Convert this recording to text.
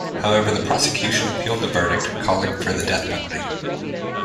However, the prosecution appealed the verdict, calling for the death penalty.